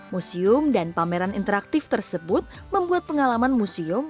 museum dan pameran interaktif tersebut membuat pengalaman museum